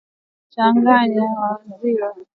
changanya viazi vilivyopondwa na maziwa